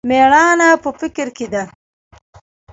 مېړانه په فکر کښې ده.